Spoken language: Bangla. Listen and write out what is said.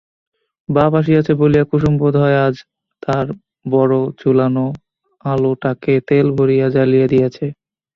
বাপ আসিয়াছে বলিয়া কুসুম বোধহয় আজ তার বড় ঝুলানো আলোটাকে তেল ভরিয়া জ্বালিয়া দিয়াছে।